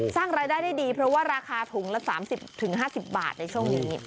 สร้างรายได้ได้ดีเพราะว่าราคาถุงละ๓๐๕๐บาทในช่วงนี้